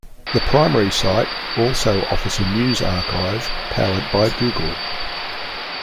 The primary site also offers a news archive powered by Google.